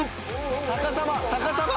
逆さま逆さま！